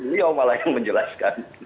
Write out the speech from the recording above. beliau malah yang menjelaskan